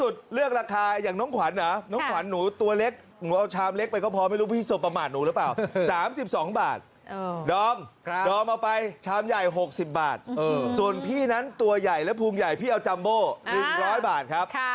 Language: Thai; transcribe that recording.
ส่วนพี่ชามใหญ่๖๐บาทส่วนพี่นั้นตัวใหญ่และภูมิใหญ่พี่เอาจัมโบ๑๐๐บาทครับ